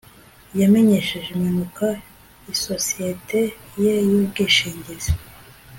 yamenyesheje impanuka isosiyete ye y'ubwishingizi